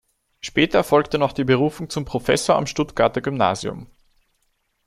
Später erfolgte noch die Berufung zum "Professor" am Stuttgarter Gymnasium.